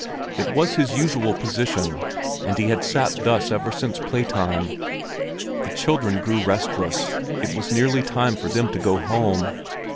It was his usual position, and he had sat thus ever since playtime. The children grew restless; it was nearly time for them to go home.